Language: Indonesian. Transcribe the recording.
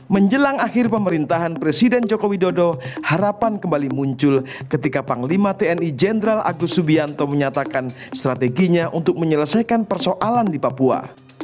menjelang akhir pemerintahan presiden joko widodo harapan kembali muncul ketika panglima tni jenderal agus subianto menyatakan strateginya untuk menyelesaikan persoalan di papua